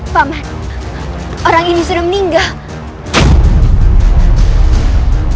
pak man orang ini sudah meninggal